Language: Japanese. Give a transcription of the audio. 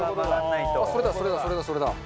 それだそれだそれだそれだ。